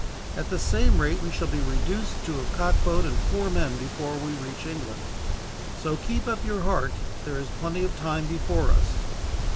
At the same rate we shall be reduced to a cock boat, and four men, before we reach England. So keep up your heart, there is plenty of time before us."